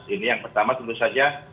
ini yang pertama tentu saja